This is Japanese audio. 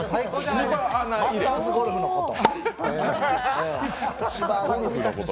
マスターズゴルフのこと。